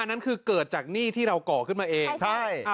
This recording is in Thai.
นั่นคือเกิดจากหนี้ที่เราก่อขึ้นมาเองใช่